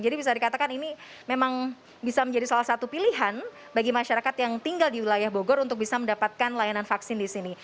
jadi bisa dikatakan ini memang bisa menjadi salah satu pilihan bagi masyarakat yang tinggal di wilayah bogor untuk bisa mendapatkan layanan vaksin di sini